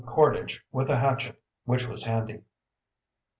cordage with a hatchet which was handy.